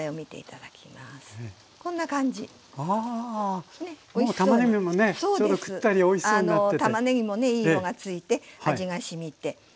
たまねぎもねいい色がついて味がしみて。